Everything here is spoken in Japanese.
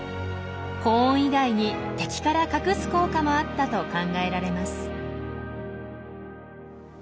保温以外に敵から隠す効果もあったと考えられます。